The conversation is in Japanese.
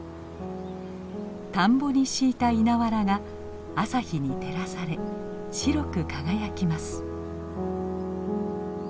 田んぼに敷いた稲わらが朝日に照らされ白く輝きます。